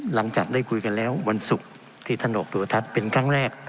หลังจากได้คุยกันแล้ววันศุกร์ที่ท่านออกตัวทัศน์เป็นครั้งแรก